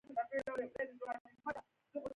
دا احتما لا په نړۍ کې تر ټولو چټکه اقتصادي وده وه